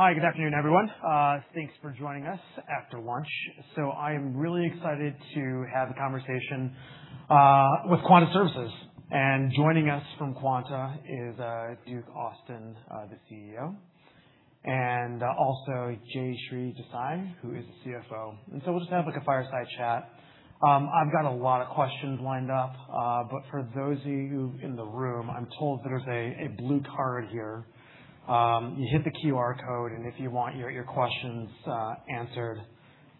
Hi, good afternoon, everyone. Thanks for joining us after lunch. I am really excited to have a conversation with Quanta Services. Joining us from Quanta is Duke Austin, the CEO, and also Jayshree Desai, who is the CFO. We'll just have a fireside chat. I've got a lot of questions lined up, for those of you in the room, I'm told there's a blue card here. You hit the QR code, if you want your questions answered,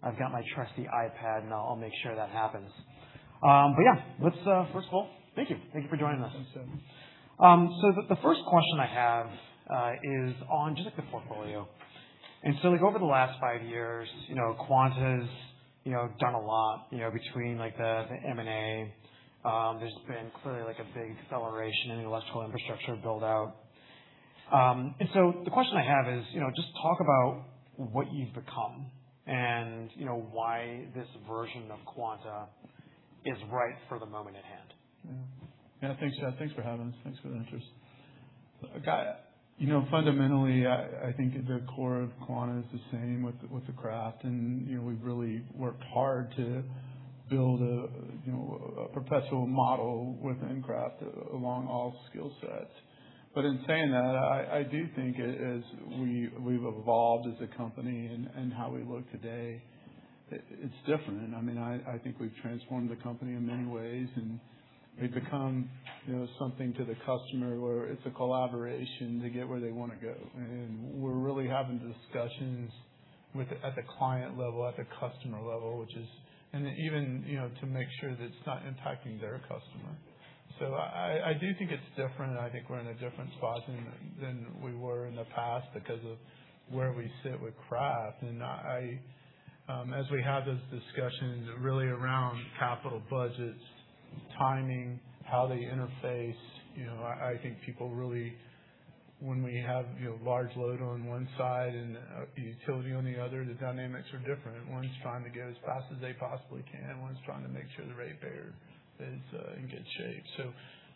I've got my trusty iPad, I'll make sure that happens. Yeah, let's first of all thank you. Thank you for joining us. Thanks, Chad. The first question I have is on just the portfolio. Over the last five years, Quanta has done a lot between the M&A. There's been clearly a big acceleration in electrical infrastructure build-out. The question I have is, just talk about what you've become and why this version of Quanta is right for the moment at hand. Thanks, Chad. Thanks for having us. Thanks for the interest. Fundamentally, I think at the core of Quanta is the same with the craft, and we've really worked hard to build a professional model within craft along all skill sets. In saying that, I do think as we've evolved as a company and how we look today, it's different. I think we've transformed the company in many ways, and we've become something to the customer where it's a collaboration to get where they want to go. We're really having discussions at the client level, at the customer level, and even to make sure that it's not impacting their customer. I do think it's different, and I think we're in a different spot than we were in the past because of where we sit with craft. As we have those discussions really around capital budgets, timing, how they interface, I think people really, when we have large load on one side and utility on the other, the dynamics are different. One's trying to go as fast as they possibly can, one's trying to make sure the ratepayer is in good shape.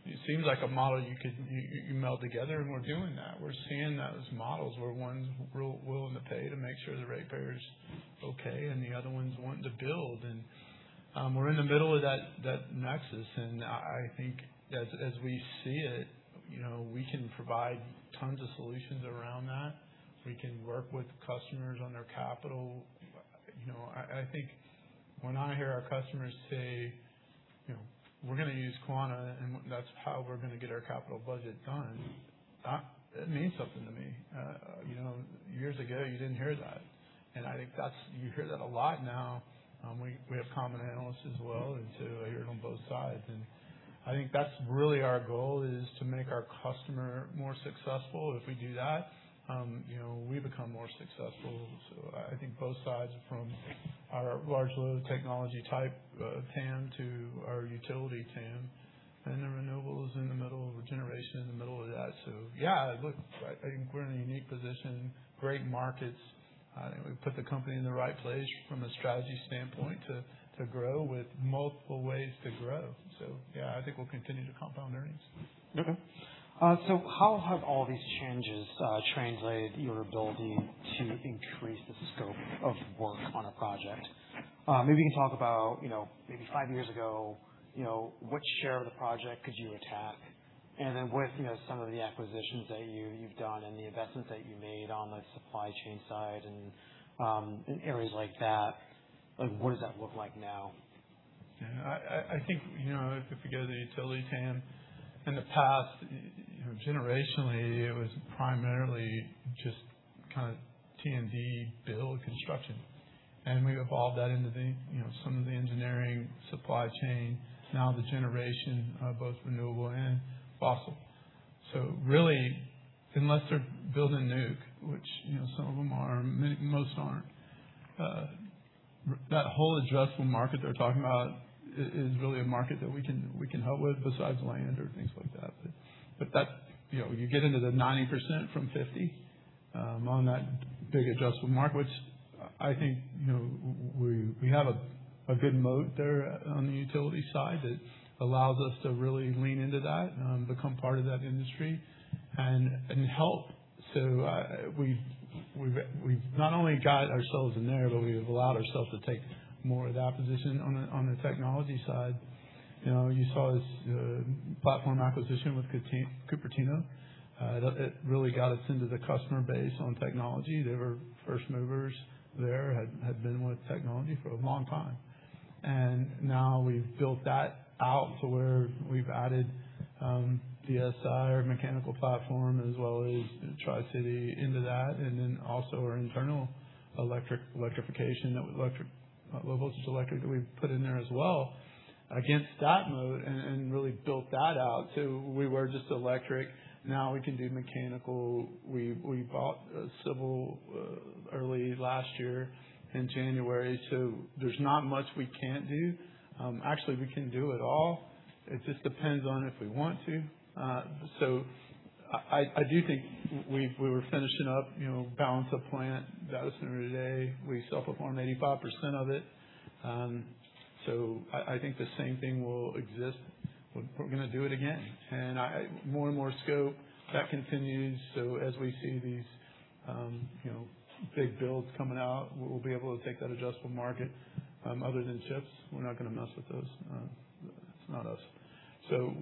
It seems like a model you meld together, and we're doing that. We're seeing those models where one's willing to pay to make sure the ratepayer's okay, and the other one's wanting to build. We're in the middle of that nexus, and I think as we see it, we can provide tons of solutions around that. We can work with customers on their capital. I think when I hear our customers say, "We're going to use Quanta, and that's how we're going to get our capital budget done," that means something to me. Years ago, you didn't hear that. I think you hear that a lot now. We have common analysts as well, I hear it on both sides. I think that's really our goal is to make our customer more successful. If we do that, we become more successful. I think both sides, from our large load technology type TAM to our utility TAM, and the renewables in the middle of generation in the middle of that. Yeah, look, I think we're in a unique position, great markets. I think we put the company in the right place from a strategy standpoint to grow with multiple ways to grow. Yeah, I think we'll continue to compound earnings. How have all these changes translated your ability to increase the scope of work on a project? Maybe you can talk about maybe five years ago, which share of the project could you attack? And then with some of the acquisitions that you've done and the investments that you made on the supply chain side and areas like that, what does that look like now? Yeah. I think if we go to the utility TAM, in the past, generationally, it was primarily just kind of T&D build construction. We evolved that into some of the engineering supply chain, now the generation of both renewable and fossil. Really, unless they're building nuke, which some of them are, most aren't, that whole addressable market they're talking about is really a market that we can help with besides land or things like that. You get into the 90% from 50% on that big addressable market, which I think we have a good moat there on the utility side that allows us to really lean into that and become part of that industry and help. We've not only got ourselves in there, but we've allowed ourselves to take more of that position on the technology side. You saw this platform acquisition with Cupertino. It really got us into the customer base on technology. They were first movers there, had been with technology for a long time. Now we've built that out to where we've added DSI, our mechanical platform, as well as Tri-City into that, then also our internal electric electrification, that low voltage electric that we put in there as well against that moat and really built that out to, we were just electric, now we can do mechanical. We bought Civil early last year in January. There's not much we can't do. We can do it all. It just depends on if we want to. I do think we were finishing up balance of plant data center today. We self-performed 85% of it. I think the same thing will exist. We're going to do it again. More and more scope, that continues. As we see these big builds coming out, we'll be able to take that addressable market. Other than chips, we're not going to mess with those. It's not us.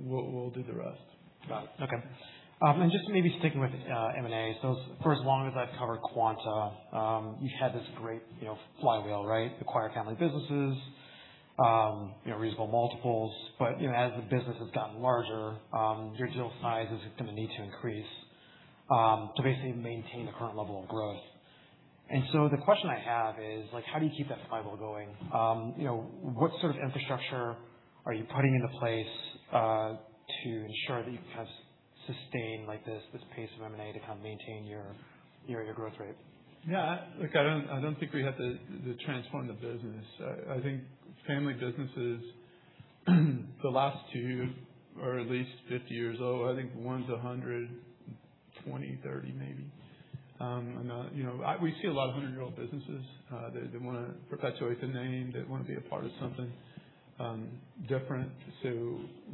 We'll do the rest. Got it. Okay. Just maybe sticking with M&A. For as long as I've covered Quanta, you had this great flywheel, right? Acquire family businesses, reasonable multiples. As the business has gotten larger, your deal size is going to need to increase to basically maintain the current level of growth. The question I have is, how do you keep that flywheel going? What sort of infrastructure are you putting into place, to ensure that you can sustain this pace of M&A to maintain your growth rate? Look, I don't think we have to transform the business. I think family businesses, the last two are at least 50 years old. I think one's 120, 130 maybe. We see a lot of 100-year-old businesses. They want to perpetuate the name. They want to be a part of something different.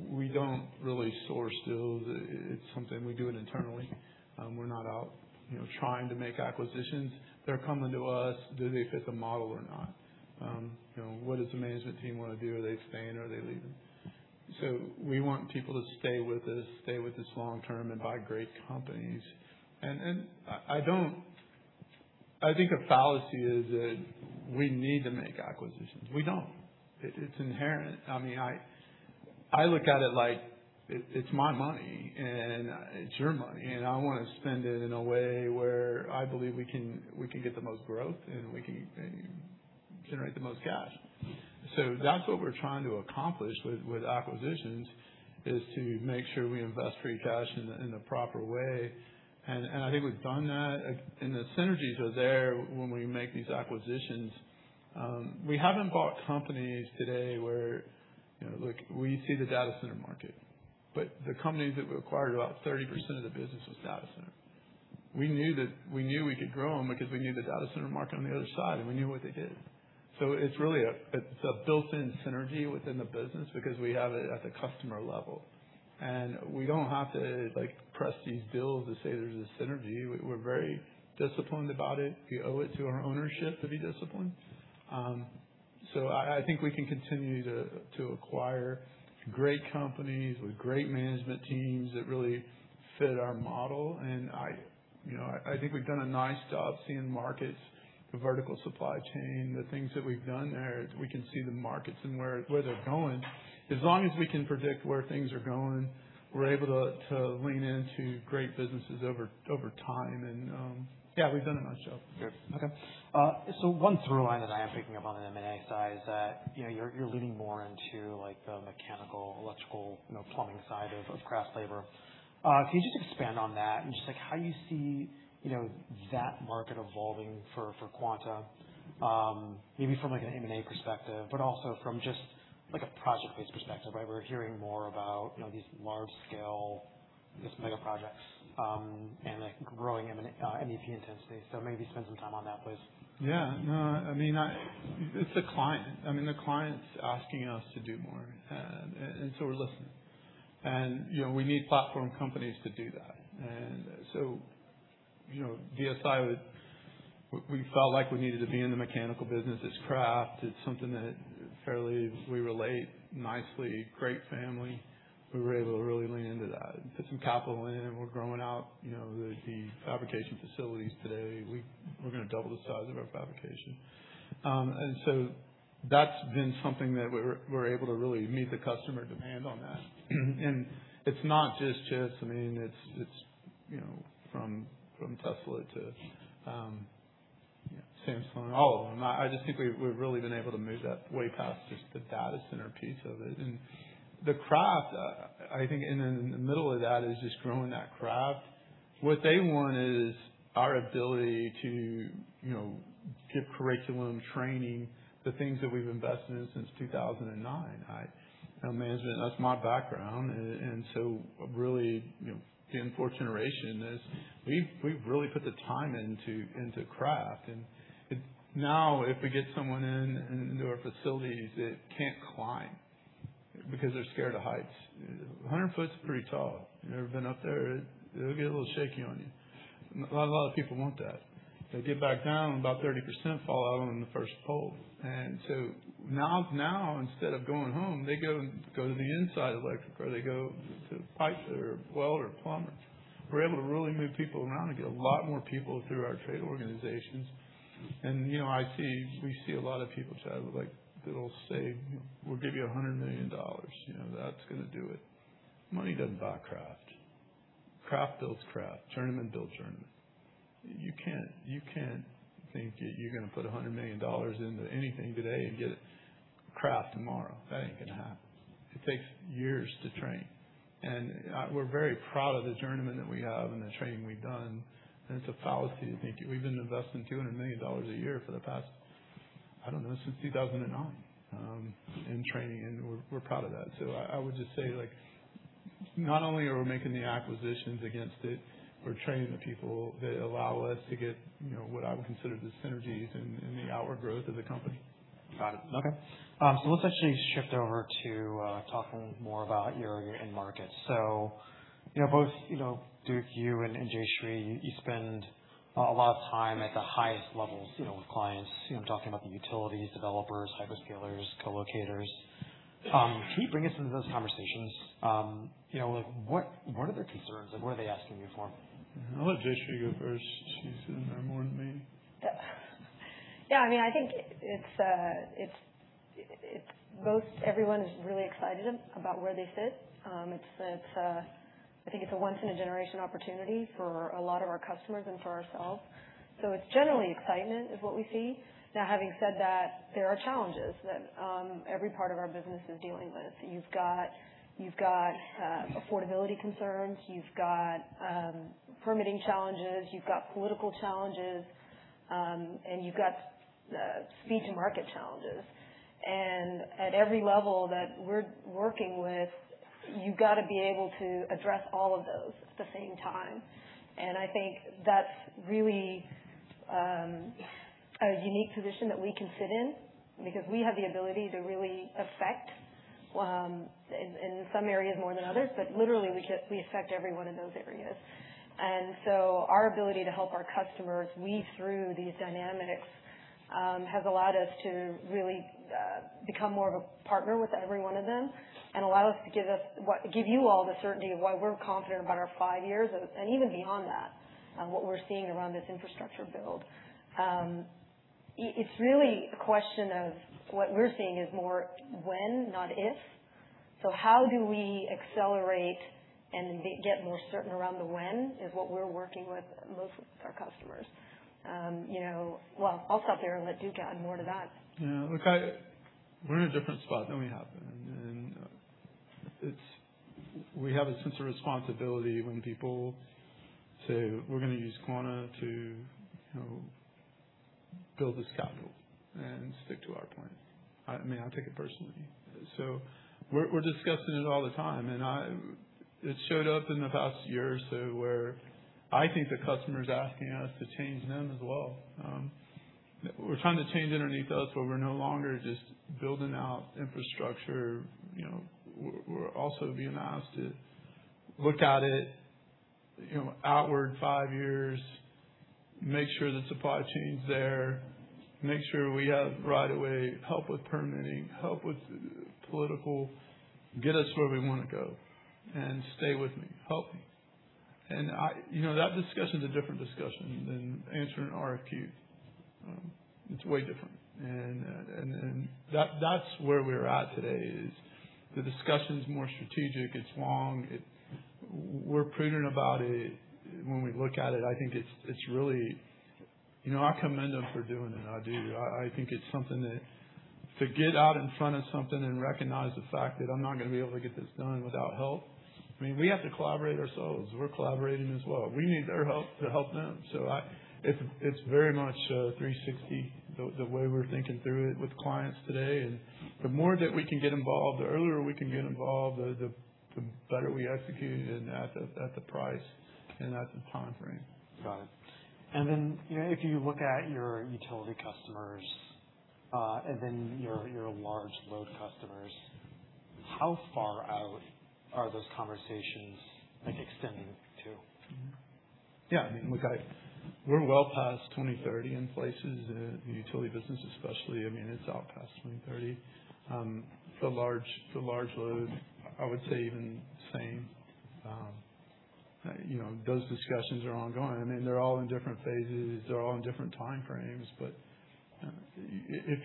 We don't really source deals. It's something we do internally. We're not out trying to make acquisitions. They're coming to us. Do they fit the model or not? What does the management team want to do? Are they staying? Are they leaving? We want people to stay with us, stay with us long-term, and buy great companies. I think a fallacy is that we need to make acquisitions. We don't. It's inherent. I look at it like, it's my money, it's your money, I want to spend it in a way where I believe we can get the most growth, we can generate the most cash. That's what we're trying to accomplish with acquisitions, is to make sure we invest free cash in the proper way. I think we've done that, the synergies are there when we make these acquisitions. We haven't bought companies today look, we see the data center market, the companies that we acquired, about 30% of the business was data center. We knew we could grow them because we knew the data center market on the other side, we knew what they did. It's a built-in synergy within the business because we have it at the customer level. We don't have to press these deals to say there's a synergy. We're very disciplined about it. We owe it to our ownership to be disciplined. I think we can continue to acquire great companies with great management teams that really fit our model, and I think we've done a nice job seeing markets, the vertical supply chain, the things that we've done there. We can see the markets and where they're going. As long as we can predict where things are going, we're able to lean into great businesses over time, and yeah, we've done it ourselves. Good. Okay. One through line that I am picking up on the M&A side is that you're leaning more into the mechanical, electrical, plumbing side of craft labor. Can you just expand on that and just how you see that market evolving for Quanta? Maybe from an M&A perspective, but also from just a project-based perspective, right? We're hearing more about these large-scale mega projects, and growing MEP intensity. Maybe spend some time on that, please. Yeah. It's the client. The client's asking us to do more, we're listening. We need platform companies to do that. DSI, we felt like we needed to be in the mechanical business. It's craft. It's something that we relate nicely. Great family. We were able to really lean into that and put some capital in, and we're growing out the fabrication facilities today. We're going to double the size of our fabrication. That's been something that we're able to really meet the customer demand on that. It's not just chips. It's from Tesla to Samsung, all of them. I just think we've really been able to move that way past just the data center piece of it. The craft, I think in the middle of that is just growing that craft. What they want is our ability to give curriculum training, the things that we've invested in since 2009. Management, that's my background. Really being fourth generation is we've really put the time into craft. If we get someone into our facilities that can't climb because they're scared of heights, 100 ft is pretty tall. You ever been up there? It'll get a little shaky on you. Not a lot of people want that. They get back down, about 30% fall out on the first pole. Now, instead of going home, they go to the inside electric, or they go to pipefitter, welder, or plumbers. We're able to really move people around and get a lot more people through our trade organizations. We see a lot of people try, like that'll say, "We'll give you $100 million. That's going to do it. Money doesn't buy craft. Craft builds craft. Journeymen builds journeymen. You can't think that you're going to put $100 million into anything today and get craft tomorrow. That ain't going to happen. It takes years to train. We're very proud of the journeymen that we have and the training we've done, and it's a fallacy to think. We've been investing $200 million a year for the past, I don't know, since 2009, in training, and we're proud of that. I would just say like, not only are we making the acquisitions against it, we're training the people that allow us to get what I would consider the synergies and the outward growth of the company. Got it. Okay. Let's actually shift over to talking more about your end markets. Both Duke, you and Jayshree, you spend a lot of time at the highest levels with clients. I'm talking about the utilities, developers, hyperscalers, colocators. Can you bring us into those conversations? What are their concerns and what are they asking you for? I'll let Jayshree go first. She's in there more than me. Yeah. I think everyone is really excited about where they sit. I think it's a once in a generation opportunity for a lot of our customers and for ourselves. It's generally excitement is what we see. Now, having said that, there are challenges that every part of our business is dealing with. You've got affordability concerns, you've got permitting challenges, you've got political challenges, and you've got speed to market challenges. At every level that we're working with, you've got to be able to address all of those at the same time. I think that's really a unique position that we can sit in because we have the ability to really affect, in some areas more than others, but literally we affect every one of those areas. Our ability to help our customers weave through these dynamics has allowed us to really become more of a partner with every one of them and allow us to give you all the certainty of why we're confident about our five years and even beyond that, what we're seeing around this infrastructure build. It's really a question of what we're seeing is more when, not if. How do we accelerate and get more certain around the when is what we're working with most of our customers. Well, I'll stop there and let Duke add more to that. Yeah. Look, we're in a different spot than we have been. We have a sense of responsibility when people say, we're going to use Quanta to build this capital and stick to our plan. I take it personally. We're discussing it all the time. It showed up in the past year or so where I think the customer's asking us to change them as well. We're trying to change underneath us. We're no longer just building out infrastructure. We're also being asked to look at it outward five years, make sure the supply chain's there, make sure we have right of way, help with permitting, help with political, get us where we want to go. Stay with me. Help me. That discussion's a different discussion than answering an RFQ. It's way different. That's where we're at today, is the discussion's more strategic. It's long. We're prudent about it when we look at it. I commend them for doing it. I do. I think it's something that to get out in front of something and recognize the fact that I'm not going to be able to get this done without help, we have to collaborate ourselves. We're collaborating as well. We need their help to help them. It's very much a 360 the way we're thinking through it with clients today, and the more that we can get involved, the earlier we can get involved, the better we execute it at the price and at the timeframe. Got it. If you look at your utility customers, and then your large load customers, how far out are those conversations extending to? Yeah. We're well past 2030 in places in the utility business especially. It's out past 2030. The large load, I would say even same. Those discussions are ongoing. They're all in different phases, they're all in different time frames, but if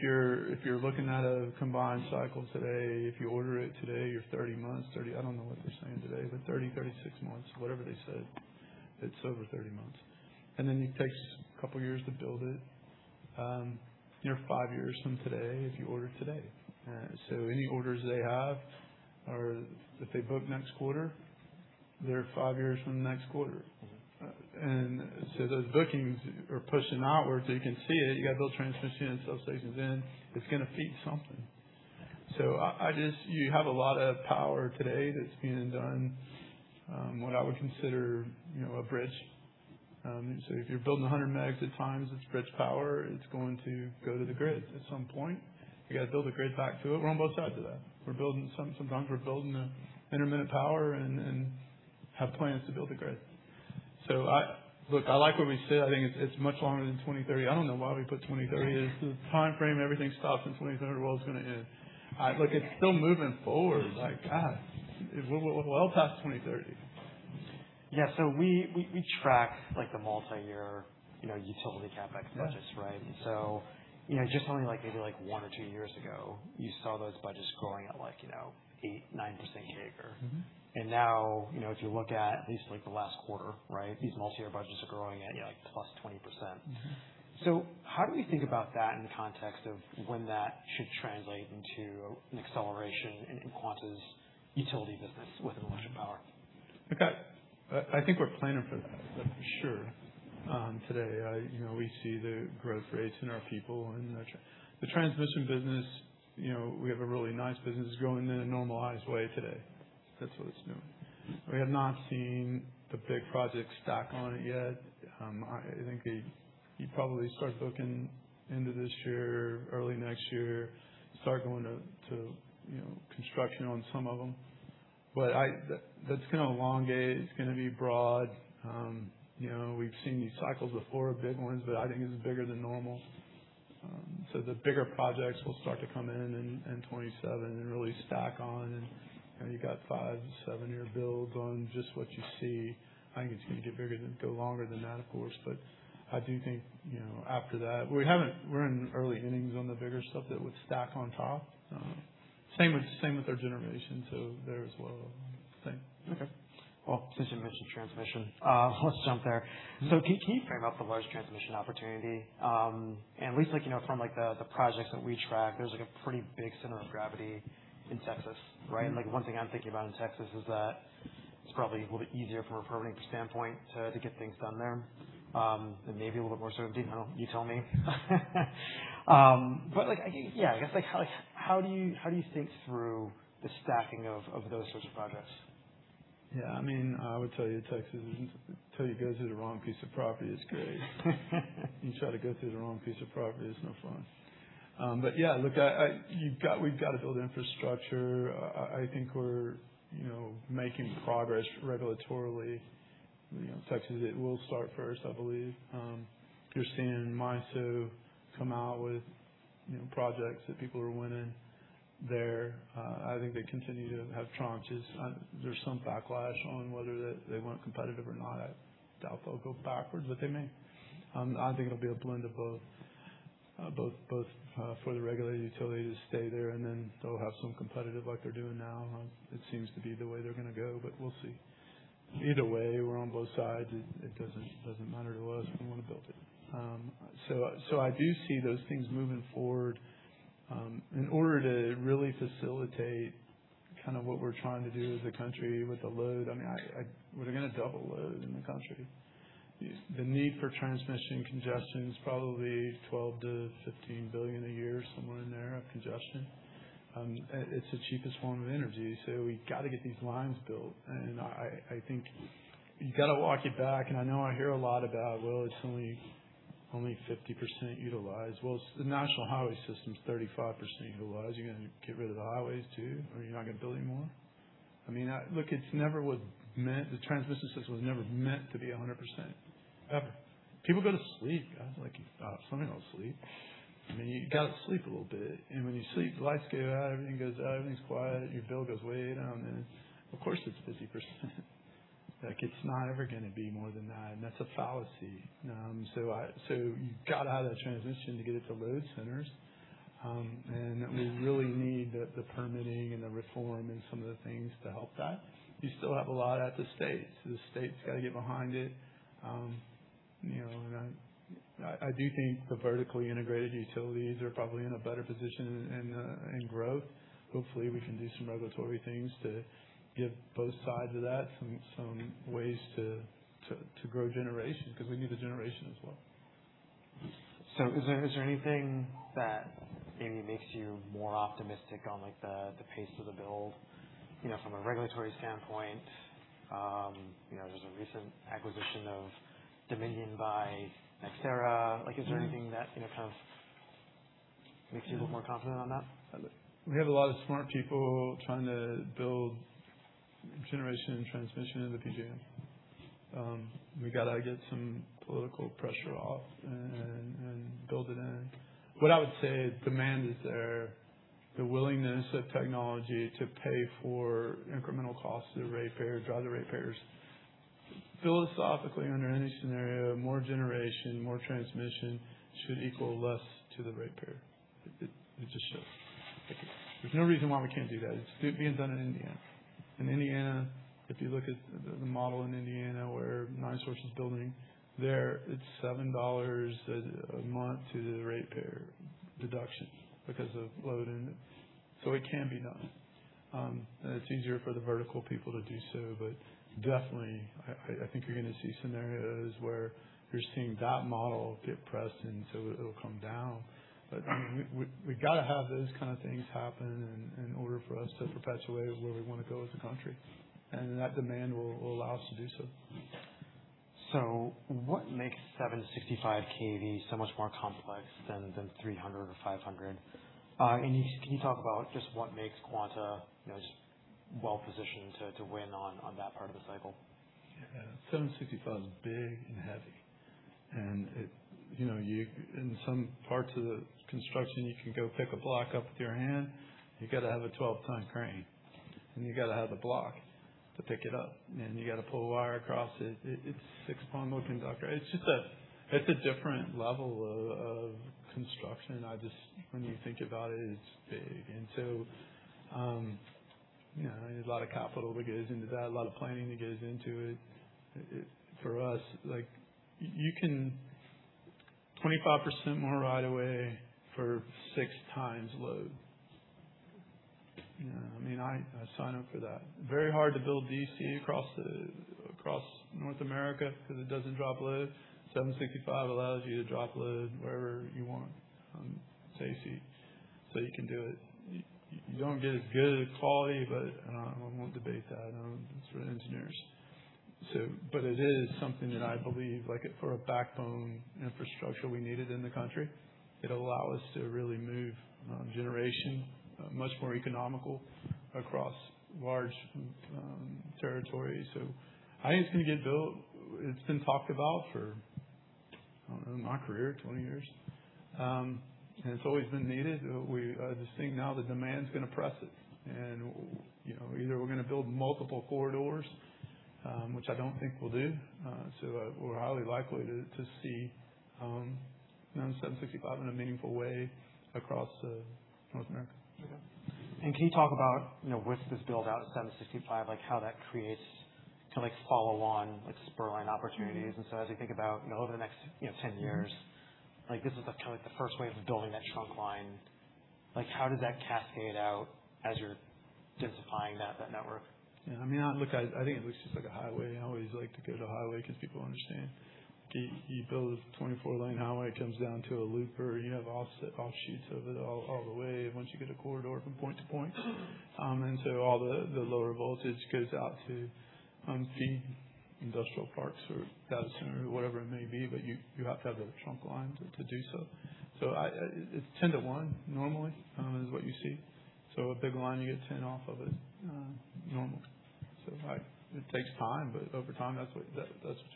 you're looking at a combined cycle today, if you order it today, your 30 months, I don't know what they're saying today, but 30, 36 months, whatever they said, it's over 30 months. Then it takes a couple of years to build it. You're five years from today if you order today. Any orders they have, or if they book next quarter, they're five years from the next quarter. Those bookings are pushing outward, so you can see it. You've got to build transmission and substations in. It's going to feed something. You have a lot of power today that's being done, what I would consider a bridge. If you're building 100 megs at times, it's bridge power, it's going to go to the grid at some point. You've got to build the grid back to it. We're on both sides of that. Sometimes we're building the intermittent power and have plans to build the grid. Look, I like where we sit. I think it's much longer than 2030. I don't know why we put 2030 as the timeframe. Everything stops in 2030, the world's going to end. Look, it's still moving forward. My God. We're well past 2030. Yeah. We track the multi-year utility CapEx budgets, right? Yeah. Just only maybe one or two years ago, you saw those budgets growing at 8%, 9% a year. Now, if you look at least the last quarter, right? These multi-year budgets are growing at +20%. How do we think about that in the context of when that should translate into an acceleration in Quanta's utility business within electric power? Look, I think we're planning for that, for sure. Today, we see the growth rates in our people and the transmission business. We have a really nice business growing in a normalized way today. That's what it's doing. We have not seen the big project stack on it yet. I think you probably start looking into this year, early next year, start going to construction on some of them. That's going to elongate. It's going to be broad. We've seen these cycles before, big ones, but I think this is bigger than normal. The bigger projects will start to come in in 2027 and really stack on, and you've got five to seven-year builds on just what you see. I think it's going to get bigger than, go longer than that, of course. I do think, after that, we're in early innings on the bigger stuff that would stack on top. Same with our generation. There as well, I think. Okay. Well, since you mentioned transmission, let's jump there. Can you frame up the large transmission opportunity? At least from the projects that we track, there's a pretty big center of gravity in Texas, right? One thing I'm thinking about in Texas is that it's probably a little bit easier from a permitting standpoint to get things done there, maybe a little bit more certainty. I don't know. You tell me. I guess, how do you think through the stacking of those sorts of projects? Yeah. I would tell you, Texas, until you go through the wrong piece of property, it's great. You try to go through the wrong piece of property, it's no fun. Yeah, look, we've got to build infrastructure. I think we're making progress regulatorily. Texas, it will start first, I believe. You're seeing MISO come out with projects that people are winning there. I think they continue to have tranches. There's some backlash on whether they weren't competitive or not. I doubt they'll go backwards, but they may. I think it'll be a blend of both for the regulated utility to stay there, and then they'll have some competitive like they're doing now. It seems to be the way they're going to go, but we'll see. Either way, we're on both sides. It doesn't matter to us. We want to build it. I do see those things moving forward. In order to really facilitate what we're trying to do as a country with the load, we're going to double load in the country. The need for transmission congestion is probably $12 billion-$15 billion a year, somewhere in there, of congestion. It's the cheapest form of energy. We've got to get these lines built, and I think you got to walk it back, and I know I hear a lot about, well, it's only 50% utilized. The national highway system is 35% utilized. You going to get rid of the highways, too? Are you not going to build any more? Look, the transmission system was never meant to be 100%, ever. People go to sleep. Like, something will sleep. You got to sleep a little bit, and when you sleep, the lights go out, everything goes out, everything's quiet, your bill goes way down. It's 50%. It's not ever going to be more than that. That's a fallacy. You've got to have that transmission to get it to load centers. We really need the permitting and the reform and some of the things to help that. You still have a lot at the states. The states got to get behind it. I do think the vertically integrated utilities are probably in a better position in growth. Hopefully, we can do some regulatory things to give both sides of that some ways to grow generation because we need the generation as well. Is there anything that maybe makes you more optimistic on the pace of the build? From a regulatory standpoint, there's a recent acquisition of Dominion by NextEra. Is there anything that kind of makes you look more confident on that? We have a lot of smart people trying to build generation and transmission in the PJM. We got to get some political pressure off and build it in. What I would say, demand is there. The willingness of technology to pay for incremental cost to the ratepayer, drive the ratepayers. Philosophically, under any scenario, more generation, more transmission should equal less to the ratepayer. It just should. There's no reason why we can't do that. It's being done in Indiana. In Indiana, if you look at the model in Indiana, where NiSource is building there, it's $7 a month to the ratepayer deduction because of load in. It can be done. It's easier for the vertical people to do so. Definitely, I think you're going to see scenarios where you're seeing that model get pressed, and so it'll come down. We got to have those kind of things happen in order for us to perpetuate where we want to go as a country, and that demand will allow us to do so. What makes 765 kV so much more complex than 300 kV or 500 kV? Can you talk about just what makes Quanta just well-positioned to win on that part of the cycle? 765 kV is big and heavy. In some parts of the construction, you can go pick a block up with your hand. You got to have a 12-ton crane, and you got to have the block to pick it up, and you got to pull wire across it. It's six-bundle conductor. It's a different level of construction. When you think about it's big. There's a lot of capital that goes into that, a lot of planning that goes into it. For us, you can 25% more right away for six times load. I sign up for that. Very hard to build DC across North America because it doesn't drop load. 765 kV allows you to drop load wherever you want on AC, so you can do it. You don't get as good of quality, but I won't debate that. That's for engineers. It is something that I believe, for a backbone infrastructure, we need it in the country. It'll allow us to really move generation much more economical across large territories. I think it's going to get built. It's been talked about for, I don't know, my career, 20 years. It's always been needed. We just think now the demand's going to press it, and either we're going to build multiple corridors, which I don't think we'll do. We're highly likely to see 765 kV in a meaningful way across North America. Okay. Can you talk about, with this build-out of 765 kV, how that creates follow along spur line opportunities? As we think about over the next 10 years, this is the first wave of building that trunk line. How does that cascade out as you're densifying that network? Yeah. Look, I think of it just like a highway. I always like to go to highway because people understand. You build a 24-lane highway, it comes down to a looper. You have offshoots of it all the way once you get a corridor from point to point. All the lower voltage goes out to feed industrial parks or data center or whatever it may be, but you have to have the trunk line to do so. It's 10 to one normally, is what you see. A big line, you get 10 off of it normally. It takes time, but over time, that's what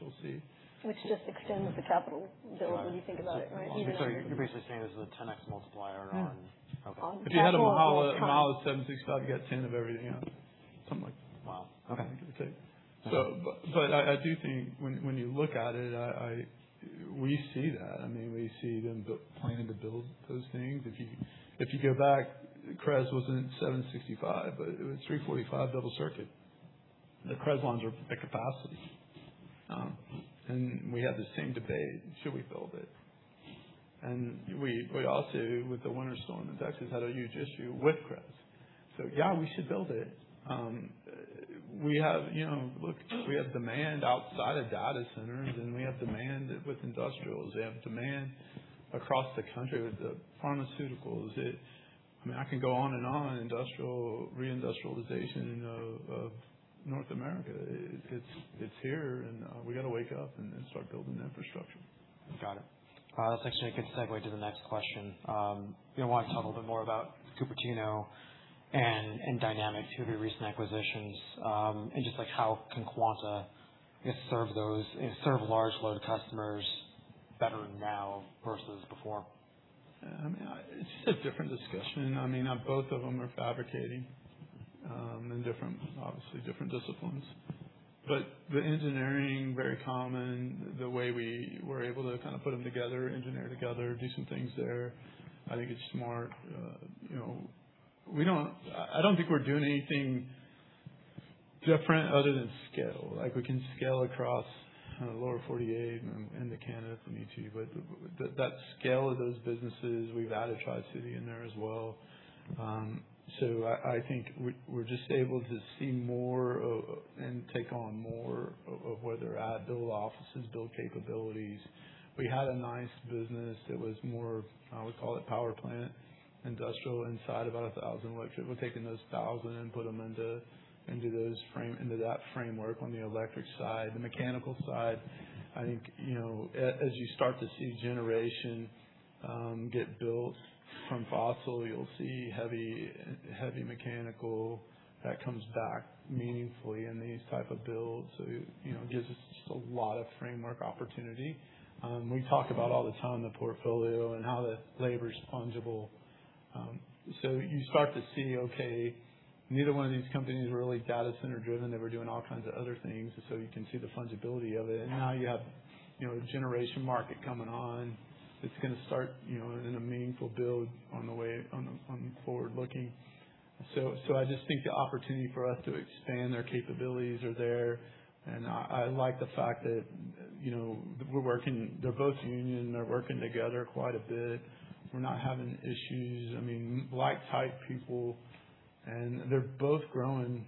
you'll see. Which just extends the capital build when you think about it, right? You're basically saying this is a 10x multiplier on- Okay.... on capital over time. If you had a mile of 765 kV, you got 10 of everything else. Wow, okay. I do think when you look at it, we see that. We see them planning to build those things. If you go back, CREZ wasn't 765 kV, but it was 345 kV double circuit. The CREZ lines are at capacity. We had the same debate, should we build it? We also, with the winter storm in Texas, had a huge issue with CREZ. Yeah, we should build it. Look, we have demand outside of data centers, and we have demand with industrials. We have demand across the country with the pharmaceuticals. I can go on and on. Industrial, re-industrialization of North America. It's here, and we got to wake up and start building the infrastructure. Got it. That is actually a good segue to the next question. I want to talk a little bit more about Cupertino and Dynamic too, the recent acquisitions, and just how can Quanta serve large load customers better now versus before? It's just a different discussion. Both of them are fabricating in obviously different disciplines. The engineering, very common, the way we were able to kind of put them together, engineer together, do some things there. I think it's more I don't think we're doing anything different other than scale. We can scale across the lower 48 and into Canada if we need to. That scale of those businesses, we've added Tri-City in there as well. I think we're just able to see more and take on more of where they're at, build offices, build capabilities. We had a nice business that was more, we call it power plant industrial inside about 1,000 electric. We're taking those 1,000 and put them into that framework on the electric side. The mechanical side, I think, as you start to see generation get built from fossil, you'll see heavy mechanical that comes back meaningfully in these type of builds. It gives us just a lot of framework opportunity. We talk about all the time the portfolio and how the labor's fungible. You start to see, okay, neither one of these companies were really data center driven. They were doing all kinds of other things. You can see the fungibility of it. Now you have a generation market coming on that's going to start in a meaningful build on the way, on forward looking. I just think the opportunity for us to expand their capabilities are there, and I like the fact that they're both union and they're working together quite a bit. We're not having issues. Like type people, they're both growing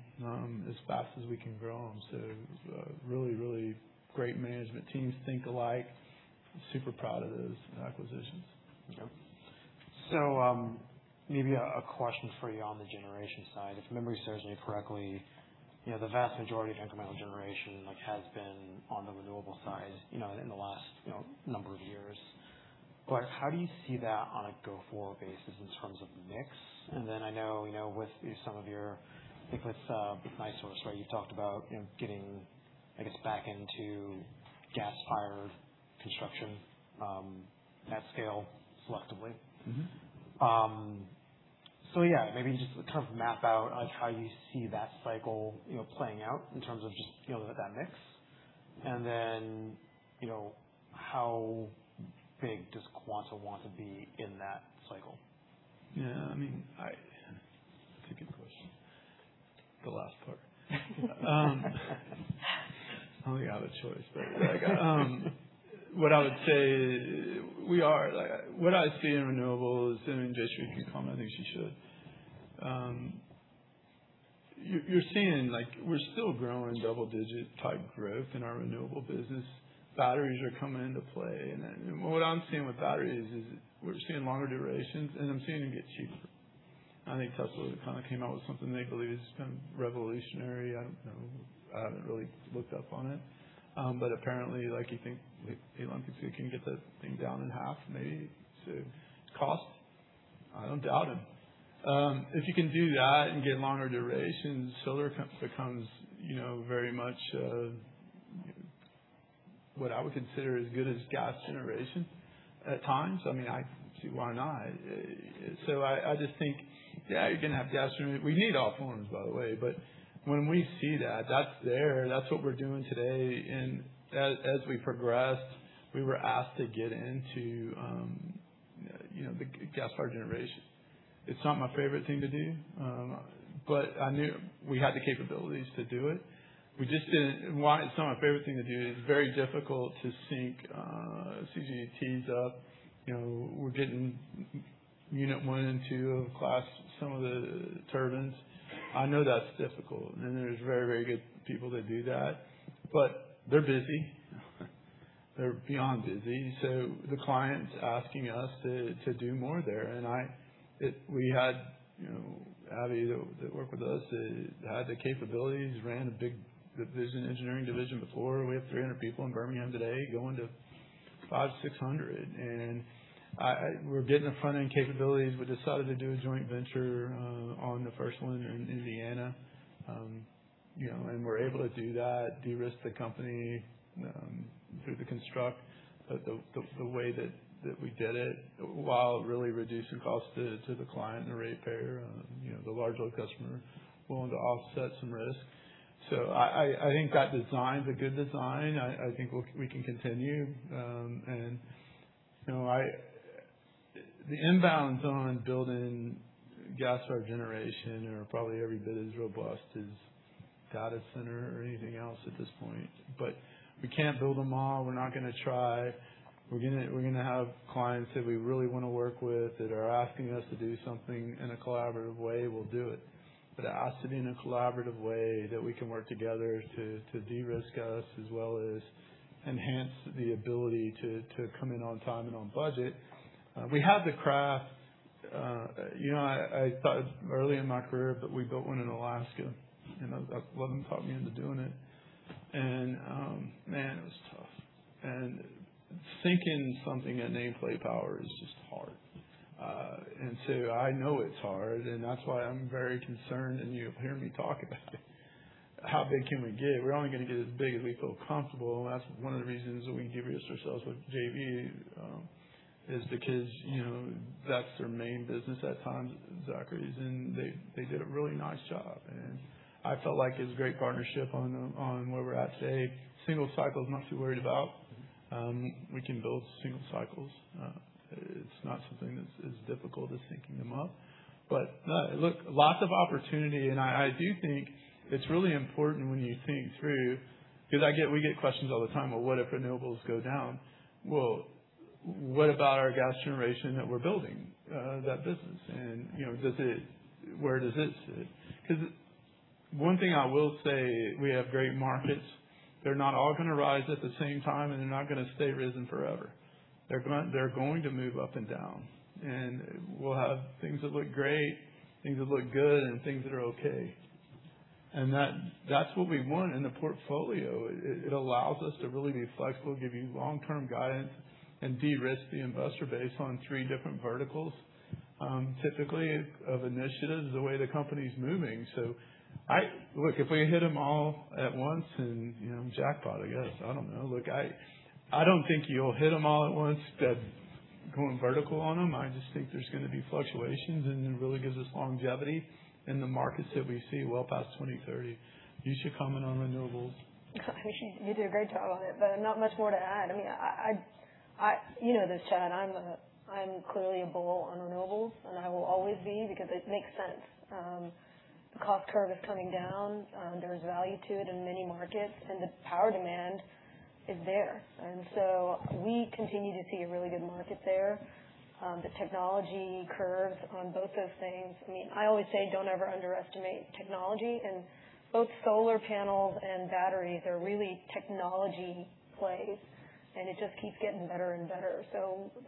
as fast as we can grow them. Really, really great management teams, think alike. Super proud of those acquisitions. Okay. Maybe a question for you on the generation side. If memory serves me correctly, the vast majority of incremental generation has been on the renewable side in the last number of years. How do you see that on a go-forward basis in terms of mix? I know with some of your, I think with NiSource, right, you talked about getting, I guess, back into gas-fired construction, at scale, selectively. Yeah, maybe just kind of map out how you see that cycle playing out in terms of just that mix. Then, how big does Quanta want to be in that cycle? Yeah. That's a good question. The last part. I don't think I have a choice. What I would say, what I see in renewables, and Jayshree can comment, I think she should. You're seeing we're still growing double-digit type growth in our renewable business. Batteries are coming into play. What I'm seeing with batteries is we're seeing longer durations, and I'm seeing them get cheaper. I think Tesla kind of came out with something they believe has been revolutionary. I don't know. I haven't really looked up on it. Apparently, you think Elon can say he can get that thing down in half, maybe, to cost. I don't doubt him. If you can do that and get longer durations, solar becomes very much what I would consider as good as gas generation at times. Why not? I just think, yeah, you're going to have gas generation. We need all forms, by the way. When we see that's there. That's what we're doing today. As we progressed, we were asked to get into the gas power generation. It's not my favorite thing to do. I knew we had the capabilities to do it. It's not my favorite thing to do, and it's very difficult to sync CCGT up. We're getting unit one and two of class, some of the turbines. I know that's difficult, and there's very good people that do that. They're busy. They're beyond busy. The client's asking us to do more there, and we had Abbey that worked with us, that had the capabilities, ran a big engineering division before. We have 300 people in Birmingham today, going to 500-600. We're getting the front-end capabilities. We decided to do a joint venture on the first one in Indiana. We're able to do that, de-risk the company through the construct, the way that we did it, while really reducing cost to the client and the ratepayer, the large load customer willing to offset some risk. I think that design is a good design. I think we can continue. The inbounds on building gas power generation are probably every bit as robust as data center or anything else at this point. We can't build them all. We're not going to try. We're going to have clients that we really want to work with that are asking us to do something in a collaborative way, we'll do it. It has to be in a collaborative way that we can work together to de-risk us as well as enhance the ability to come in on time and on budget. We had the craft. I thought early in my career, but we built one in Alaska. That's what taught me into doing it. Man, it was tough. Syncing something at nameplate power is just hard. I know it's hard, and that's why I'm very concerned, and you'll hear me talk about it. How big can we get? We're only going to get as big as we feel comfortable, and that's one of the reasons that we de-risked ourselves with JV, is because that's their main business at times, Zachry's, and they did a really nice job, and I felt like it was a great partnership on where we're at today. Simple cycle is not too worried about. We can build simple cycles. It's not something that's as difficult as syncing them up. Look, lots of opportunity, and I do think it's really important when you think through, because we get questions all the time, "Well, what if renewables go down?" Well, what about our gas generation that we're building that business? Where does it sit? One thing I will say, we have great markets. They're not all going to rise at the same time, and they're not going to stay risen forever. They're going to move up and down, and we'll have things that look great, things that look good, and things that are okay. That's what we want in the portfolio. It allows us to really be flexible, give you long-term guidance, and de-risk the investor base on three different verticals, typically of initiatives is the way the company's moving. Look, if we hit them all at once and jackpot, I guess, I don't know. Look, I don't think you'll hit them all at once instead of going vertical on them. I just think there's going to be fluctuations, and it really gives us longevity in the markets that we see well past 2030. You should comment on renewables. You do a great job on it, but not much more to add. You know this, Chad, I'm clearly a bull on renewables, and I will always be because it makes sense. The cost curve is coming down. There's value to it in many markets, and the power demand is there. We continue to see a really good market there. The technology curves on both those things. I always say, don't ever underestimate technology. Both solar panels and batteries are really technology plays, and it just keeps getting better and better.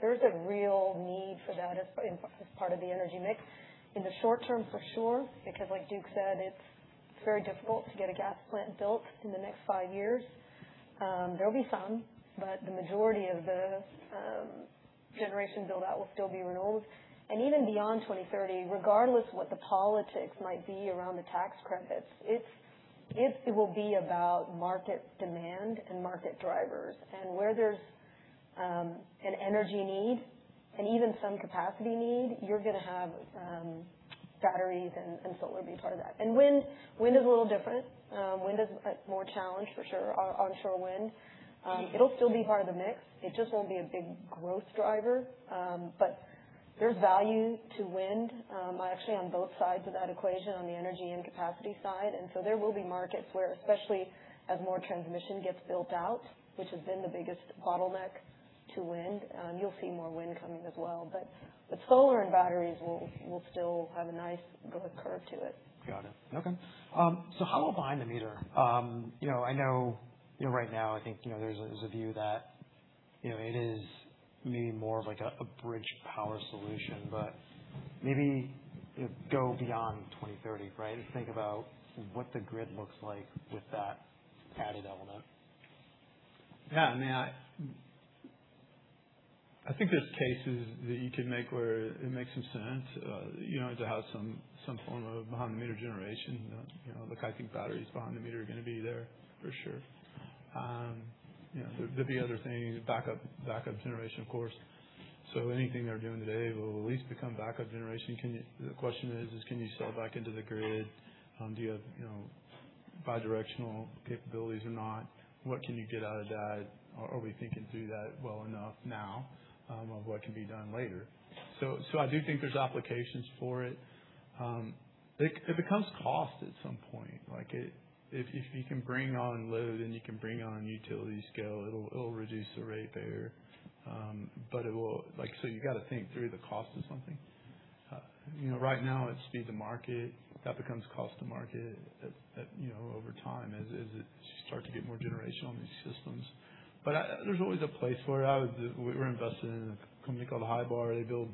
There is a real need for that as part of the energy mix. In the short term, for sure, because like Duke said, it's very difficult to get a gas plant built in the next five years. There'll be some, the majority of the generation build-out will still be renewables. Even beyond 2030, regardless what the politics might be around the tax credits, it will be about market demand and market drivers. Where there's an energy need and even some capacity need, you're going to have batteries and solar be part of that. Wind is a little different. Wind is more challenged, for sure, onshore wind. It'll still be part of the mix. It just won't be a big growth driver. There's value to wind, actually on both sides of that equation, on the energy and capacity side. There will be markets where, especially as more transmission gets built out, which has been the biggest bottleneck to wind, you'll see more wind coming as well. With solar and batteries will still have a nice growth curve to it. Got it. Okay. How about behind the meter? I know right now, I think, there's a view that it is maybe more of a bridge power solution, go beyond 2030, right? Think about what the grid looks like with that added element. Yeah. I think there's cases that you could make where it makes some sense to have some form of behind-the-meter generation. Look, I think batteries behind the meter are going to be there for sure. There'd be other things, backup generation, of course. Anything they're doing today will at least become backup generation. The question is, can you sell back into the grid? Do you have bi-directional capabilities or not? What can you get out of that? Are we thinking through that well enough now of what can be done later? I do think there's applications for it. It becomes cost at some point. If you can bring on load and you can bring on utility scale, it'll reduce the rate there. You got to think through the cost of something. Right now, it's speed to market. That becomes cost to market over time as you start to get more generation on these systems. There's always a place for it. We're invested in a company called Hybar. They build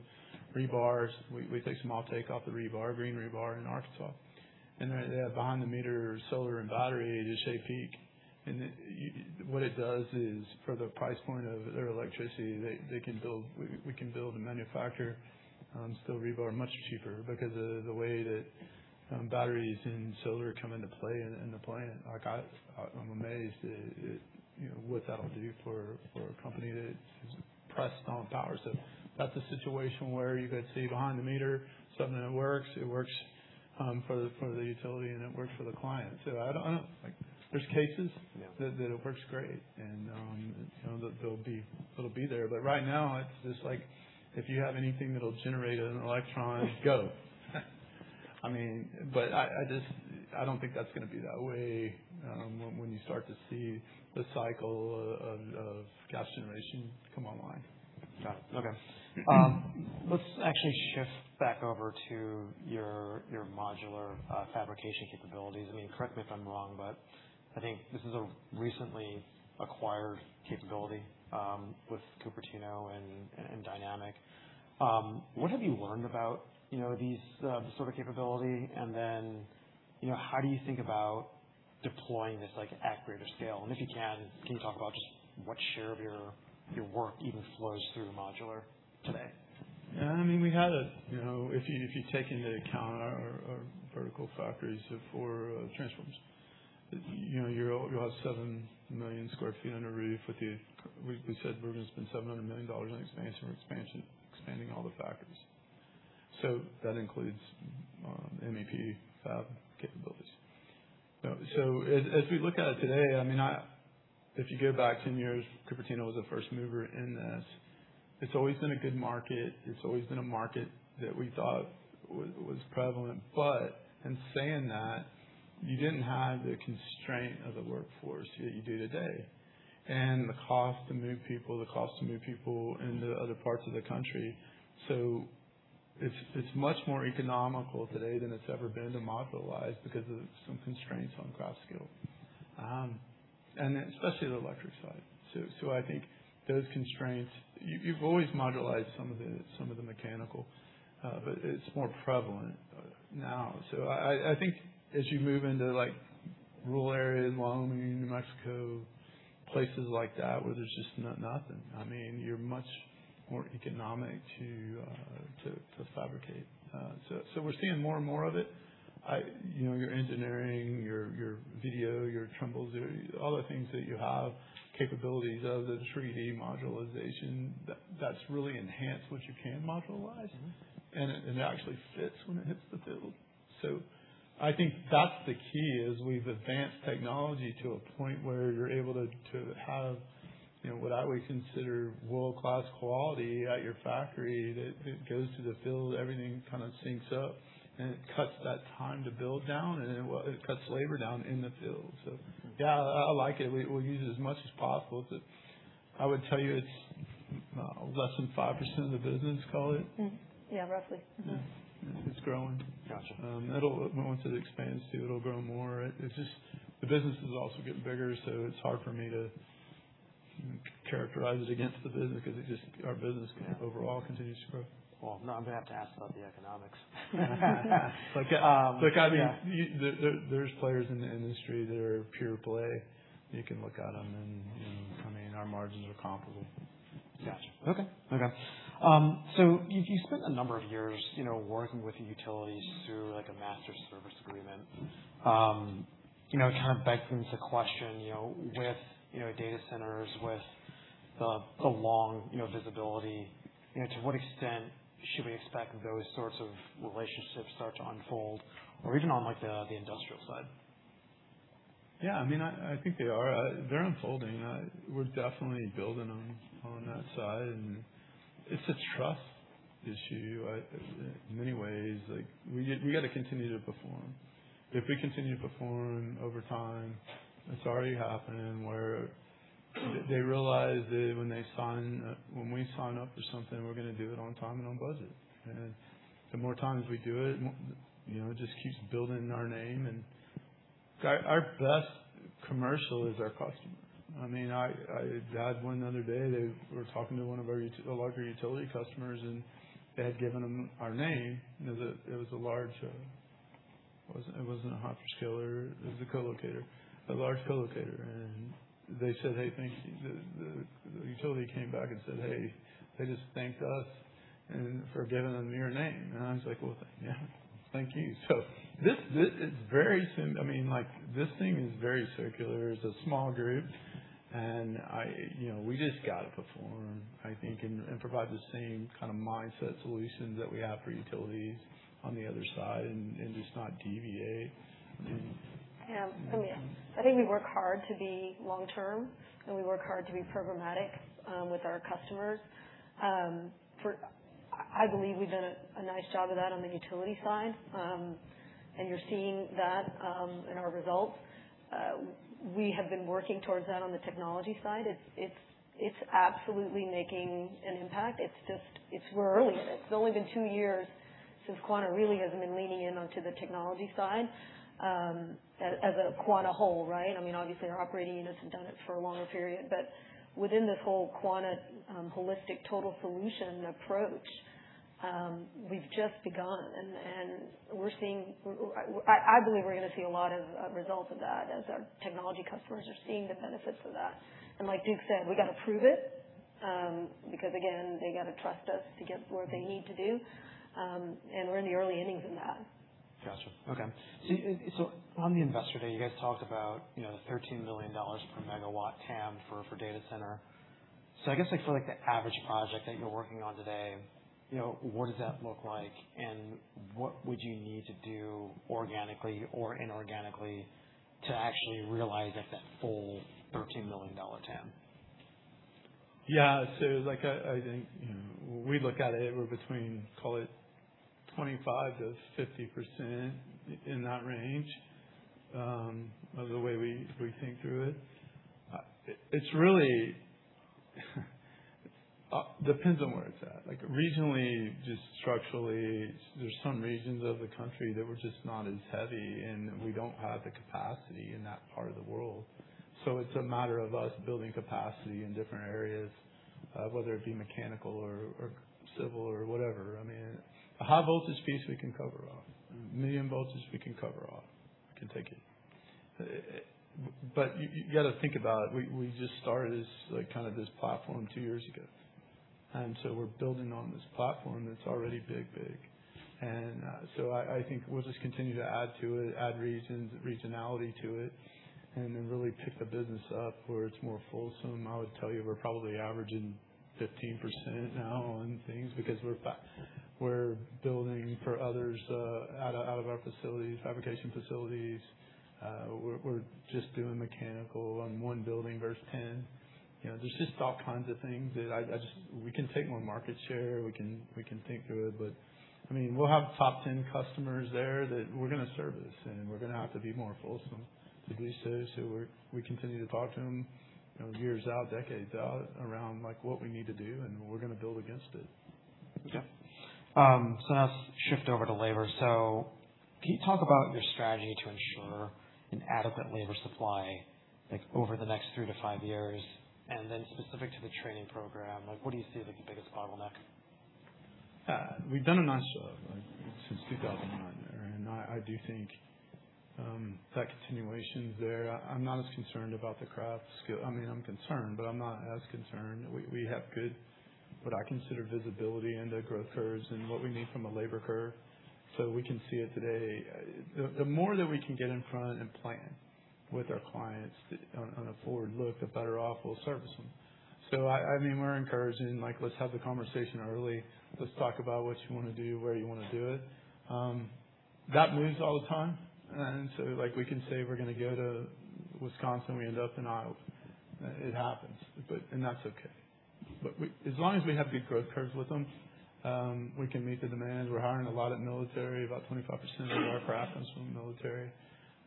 rebars. We take some off-take off the rebar, green rebar in Arkansas. They have behind-the-meter solar and battery to shape peak. What it does is for the price point of their electricity, we can build and manufacture steel rebar much cheaper because of the way that batteries and solar come into play in the plant. I'm amazed at what that'll do for a company that's pressed on power. That's a situation where you could see behind-the-meter something that works, it works for the utility, and it works for the client too. I don't know. Yeah. That it works great, and it'll be there. Right now, it's just like if you have anything that'll generate an electron, go. I don't think that's going to be that way when you start to see the cycle of gas generation come online. Got it. Okay. Let's actually shift back over to your modular fabrication capabilities. Correct me if I'm wrong, but I think this is a recently acquired capability, with Cupertino and Dynamic. What have you learned about this sort of capability, and then how do you think about deploying this at greater scale? If you can you talk about just what share of your work even flows through modular today? Yeah. If you take into account our vertical factories for transformers, you'll have 7 million sq ft under roof with you. We said we're going to spend $700 million in expansion. We're expanding all the factories. That includes MEP fab capabilities. As we look at it today, if you go back 10 years, Cupertino was the first mover in this. It's always been a good market. It's always been a market that we thought was prevalent. In saying that, you didn't have the constraint of the workforce that you do today, and the cost to move people, the cost to move people into other parts of the country. It's much more economical today than it's ever been to modularize because of some constraints on craft skill, and especially the electric side. I think those constraints, you've always modularized some of the mechanical, but it's more prevalent now. I think as you move into rural areas, Wyoming, New Mexico, places like that where there's just nothing, you're much more economic to fabricate. We're seeing more and more of it. Your engineering, your video, your Trimble, all the things that you have capabilities of the 3D modularization, that's really enhanced what you can modularize. It actually fits when it hits the field. I think that's the key is we've advanced technology to a point where you're able to have what I would consider world-class quality at your factory that goes to the field, everything kind of syncs up, and it cuts that time to build down, and it cuts labor down in the field. Yeah, I like it. We'll use it as much as possible. I would tell you it's less than 5% of the business, call it. Yeah, roughly. Mm-hmm. It's growing. Got you. Once it expands too, it'll grow more. The business is also getting bigger, so it's hard for me to characterize it against the business because our business overall continues to grow. Well, now I'm going to have to ask about the economics. Look, there's players in the industry that are pure play. You can look at them and our margins are comparable. Got you. Okay. You spent a number of years working with the utilities through a master service agreement. It kind of beckons the question, with data centers, with the long visibility, to what extent should we expect those sorts of relationships start to unfold, or even on the industrial side? Yeah, I think they are. They're unfolding. We're definitely building them on that side. It's a trust issue in many ways. We got to continue to perform. If we continue to perform over time, it's already happening, where they realize that when we sign up for something, we're going to do it on time and on budget. The more times we do it just keeps building our name. Our best commercial is our customers. I had one the other day. They were talking to one of our larger utility customers, and they had given them our name. It was a large, it wasn't a hyperscaler, it was a large colocator. The utility came back and said, "Hey, they just thanked us for giving them your name." I was like, "Well, yeah, thank you." This thing is very circular. It's a small group, and we just got to perform, I think, and provide the same kind of mindset solutions that we have for utilities on the other side and just not deviate. Yeah. I think we work hard to be long-term, and we work hard to be programmatic with our customers. I believe we've done a nice job of that on the utility side. You're seeing that in our results. We have been working towards that on the technology side. It's absolutely making an impact. It's just we're early in it. It's only been two years since Quanta really has been leaning into the technology side, as a Quanta whole, right? Obviously, our operating unit has done it for a longer period, but within this whole Quanta holistic total solution approach, we've just begun. I believe we're going to see a lot of results of that as our technology customers are seeing the benefits of that. Like Duke said, we got to prove it, because again, they got to trust us to get the work they need to do. We're in the early innings in that. Got you. Okay. On the Investor Day, you guys talked about the $13 million per megawatt TAM for data center. I guess, for the average project that you're working on today, what does that look like, and what would you need to do organically or inorganically to actually realize that full $13 million TAM? I think we look at it, we're between, call it, 25%-50%, in that range, of the way we think through it. It really depends on where it's at. Like regionally, just structurally, there's some regions of the country that we're just not as heavy, and we don't have the capacity in that part of the world. It's a matter of us building capacity in different areas, whether it be mechanical or civil or whatever. The high voltage piece we can cover off. Medium voltage we can cover off. We can take it. You got to think about it. We just started this platform two years ago, and so we're building on this platform that's already big. I think we'll just continue to add to it, add regionality to it, and then really pick the business up where it's more fulsome. I would tell you we're probably averaging 15% now on things, because we're building for others out of our fabrication facilities. We're just doing mechanical on one building versus 10. There's just all kinds of things that we can take more market share, we can think through it, but we'll have top 10 customers there that we're going to service, and we're going to have to be more fulsome to do so. We continue to talk to them years out, decades out, around what we need to do, and we're going to build against it. Okay. Now let's shift over to labor. Can you talk about your strategy to ensure an adequate labor supply over the next three to five years? Then specific to the training program, what do you see as the biggest bottleneck? We've done a nice job since 2009 there, and I do think that continuation's there. I'm not as concerned about the craft skill. I'm concerned, but I'm not as concerned. We have good, what I consider, visibility into growth curves and what we need from a labor curve, so we can see it today. The more that we can get in front and plan with our clients on a forward look, the better off we'll service them. We're encouraging, like, let's have the conversation early. Let's talk about what you want to do, where you want to do it. That moves all the time. We can say we're going to go to Wisconsin, we end up in Iowa. It happens, and that's okay. As long as we have good growth curves with them, we can meet the demands. We're hiring a lot of military. About 25% of our craft comes from the military.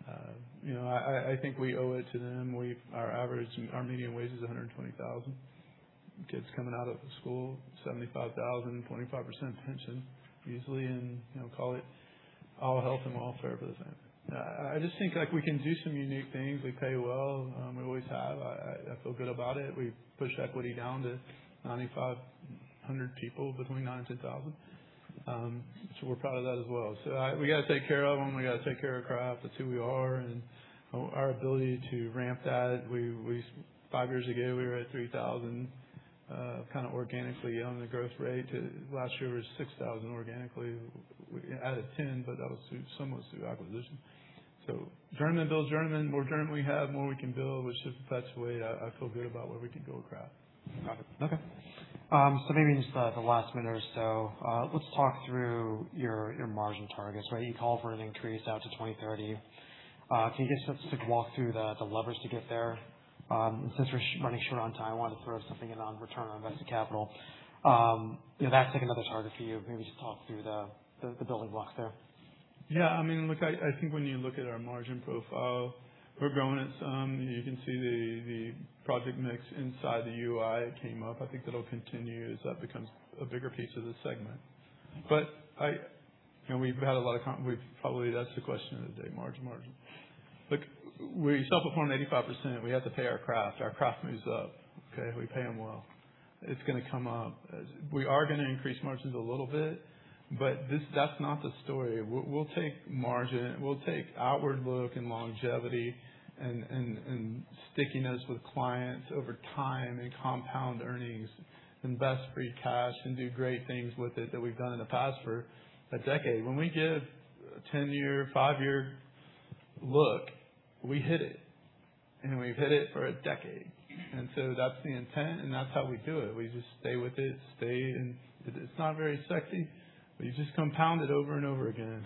I think we owe it to them. Our median wage is $120,000. Kids coming out of the school, $75,000, 25% pension easily, and call it all health and welfare for the same. I just think we can do some unique things. We pay well. We always have. I feel good about it. We've pushed equity down to 9,500 people, between 9,000 and 10,000. We're proud of that as well. We got to take care of them. We got to take care of craft. That's who we are, and our ability to ramp that. Five years ago, we were at 3,000, kind of organically on the growth rate. Last year was 6,000 organically. We added 10, but that was somewhat through acquisition. Journeyman builds journeyman. More journeyman we have, more we can build, which just fluctuates. I feel good about where we can go with craft. Got it. Okay. Maybe just the last minute or so, let's talk through your margin targets, right? You called for an increase out to 2030. Can you just walk through the levers to get there? Since we're running short on time, I wanted to throw something in on return on invested capital. That's like another target for you. Maybe just talk through the building blocks there. Yeah. Look, I think when you look at our margin profile, we're growing it some. You can see the project mix inside the UI. It came up. I think that'll continue as that becomes a bigger piece of the segment. Probably that's the question of the day, margin. Look, we self-perform 85%. We have to pay our craft. Our craft moves up. Okay? We pay them well. It's going to come up. We are going to increase margins a little bit, but that's not the story. We'll take margin, we'll take outward look and longevity and stickiness with clients over time and compound earnings, invest free cash and do great things with it that we've done in the past for a decade. When we give a 10-year, five-year look, we hit it, and we've hit it for a decade. That's the intent, and that's how we do it. We just stay with it. It's not very sexy, but you just compound it over and over again.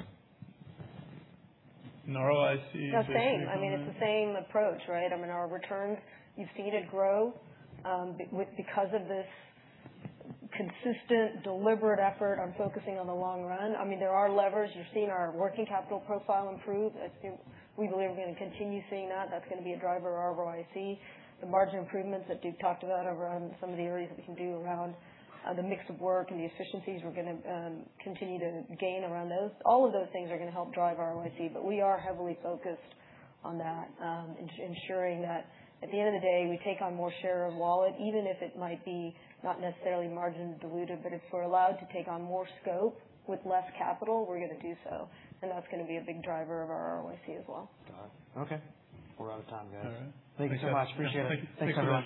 Our ROIC- The same. It's the same approach, right? Our return, you've seen it grow, because of this consistent, deliberate effort on focusing on the long run. There are levers. You're seeing our working capital profile improve. We believe we're going to continue seeing that. That's going to be a driver of our ROIC. The margin improvements that Duke talked about around some of the areas that we can do around the mix of work and the efficiencies, we're going to continue to gain around those. All of those things are going to help drive our ROIC. We are heavily focused on that, ensuring that at the end of the day, we take on more share of wallet, even if it might be not necessarily margin dilutive, but if we're allowed to take on more scope with less capital, we're going to do so. That's going to be a big driver of our ROIC as well. Got it. Okay. We're out of time, guys. All right. Thank you so much. Appreciate it. Thanks, everyone.